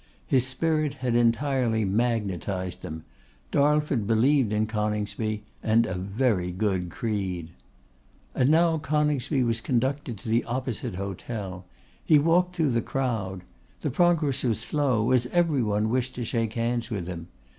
His spirit had entirely magnetised them. Darlford believed in Coningsby: and a very good creed. And now Coningsby was conducted to the opposite hotel. He walked through the crowd. The progress was slow, as every one wished to shake hands with him.